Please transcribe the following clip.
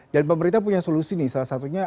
dan pemerintah punya solusi nih salah satunya